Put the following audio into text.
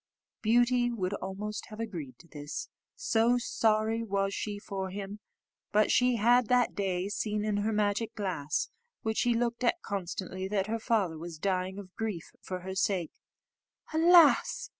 Beauty would almost have agreed to this, so sorry was she for him, but she had that day seen in her magic glass, which she looked at constantly, that her father was dying of grief for her sake. "Alas!"